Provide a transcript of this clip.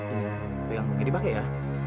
ini yang mungkin dipakai ya